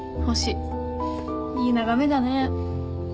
いい眺めだね。